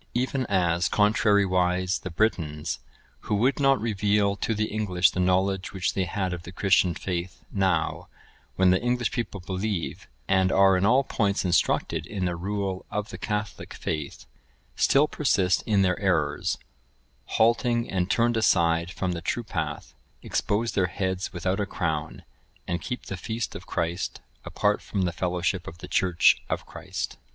Even as, contrarywise, the Britons, who would not reveal to the English the knowledge which they had of the Christian faith, now, when the English people believe, and are in all points instructed in the rule of the Catholic faith, still persist in their errors, halting and turned aside from the true path, expose their heads without a crown, and keep the Feast of Christ apart from the fellowship of the Church of Christ.